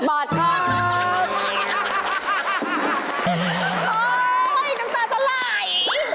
โอ้โฮน้ำตาสลาย